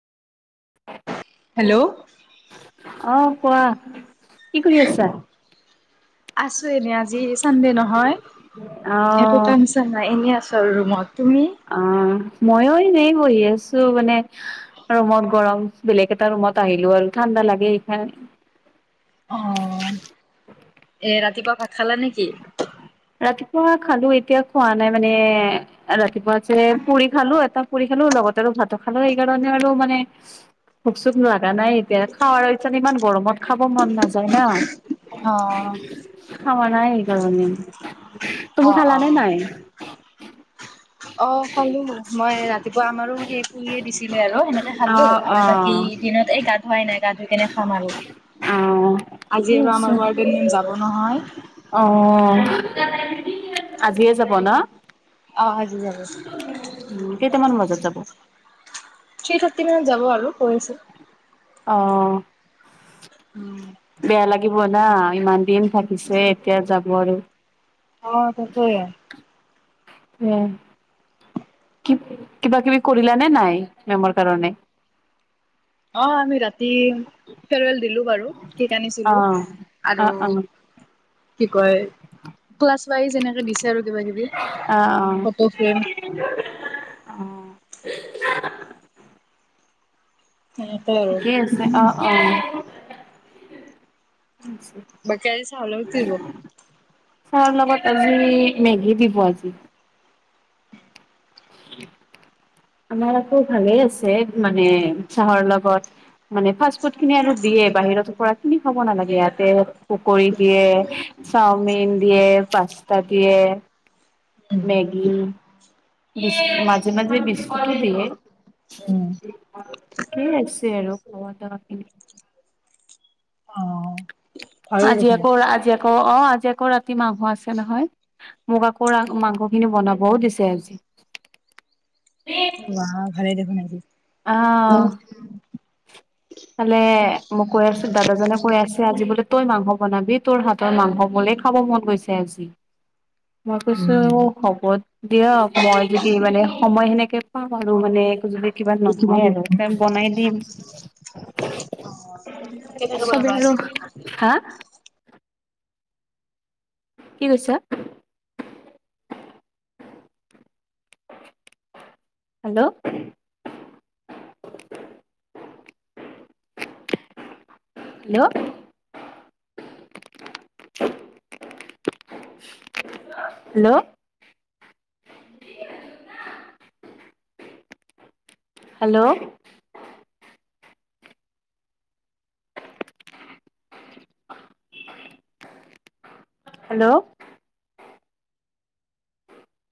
Hello আহ কোৱা কি কৰি আছা আছো এনে আজি চানডে নহয় অ একো কামচা নাই এনেই আছ আৰু ৰুমত তুমি অ মইয়ো এনে বহি আছো মানে ৰুমত গৰম বেলেগ এটা ৰুমত আহিলো আৰু ঠাণ্ডা লাগে সেইকাৰণে [inaudible] অ এ ৰাতিপুৱা ভাত খালা নেকি ৰাতিপুৱা খালো এতিয়া খোৱা নাই মানে ৰাতিপুৱা যে পুৰি খালো এটা পুৰি খালো লগতে আৰু ভাত খালো সেইকাৰণে আৰু মানে ভোক চোখ লগা নাই এতিয়া খাৱ ইচ্ছান ইমান গৰমত খাব মন নাযায় ন অ [unintelligible] তুমি অ খালা অ নে নাই অ খালো মই ৰাতিপুৱা আমাৰো সেই পুৰিয়ে দিছিলোে আৰু সেনেকে অ খালো অ আৰু বাকী দিনত এই গা ধুৱাই নাই গা ধুই কেনে খাম আৰু আজি অ আৰু আমাৰ ৱাৰ্ডেন মেম যাব আছে নহয় অ আজিয়ে যাব ন অ যাব উ কেইটামান বজাত যাব সেই থ্ৰি থাৰটি মানত যাব আৰু কৰিছেো অ' উম বেয়া লাগিব না ইমান দিন থাকিছে এতিয়া যাব আৰু অ' ত সে উম কিবা কিবি কৰিলা নে নাই মেমৰ কাৰণে অ আমি ৰাতি ফেৰৱেল দিলো বাৰু িক অ আনিছিলো অ আৰু অ কি কয় ক্লাছ ৱাইজ এনেকে দিছে আৰু কিবা কিবি অ অ ফটো ফ্ৰেম অ সেনেকে আৰু ঠিকেই আছে অ' অ' বাকে চাবলতি গ চাৰ প তজি মেগ বি ব আজি আমাৰ আকৌ ভালে আছে মানে উৎসাহৰ লগত মানে ফাষ্ট ফুড খিনি আৰু দিয়ে বাহিৰতৰ পৰা কিনি খাব নালাগে ইয়াতে পকী দিয়ে চাওমিন দিয়ে পাস্তা দিয়ে উম মেগি বি মাজে মধে বিসকিট দিে উম ঠিকেই আছে আৰু খোৱা দা কিনি। অ ভালেই আজি দেখোন আকৌ আজি আকৌ অ', আজি আকৌ ৰাতি মাংস আছে নহয় মোক আকৌ মাংস খিনি বনাবও দিছে আজি। অ' আহাহ ভালেই দেখোন নাইকি আহ খালে মোক কৈ আছ দাদাজনে কৈ আছে আজি বোলে। তই মাংস বনাবি তোৰ হাতৰ মাংস মলেই খাব মন গৈছে আজি। মই কৈছো উম অ' হ'ব দিয়ক মই যদি মানে সময়খিন পা মানে ক কিবা নহয় আৰু বনাই দিম। কেনেকে চবে বনাবা আজি আৰু মাংস হা কি কৈছা? Hello hello hello hello hello